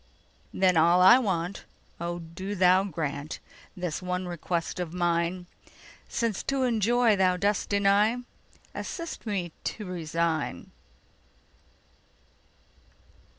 Then all I want—O do Thou grantThis one request of mine!—Since to enjoy Thou dost deny, Assist me to resign.